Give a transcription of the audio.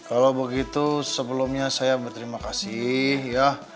kalau begitu sebelumnya saya berterima kasih ya